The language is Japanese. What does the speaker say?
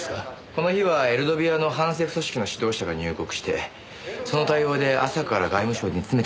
この日はエルドビアの反政府組織の指導者が入国してその対応で朝から外務省に詰めてたはずです。